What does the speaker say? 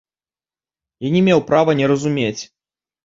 Я не меў права не разумець.